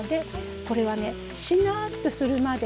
これはねしなっとするまで。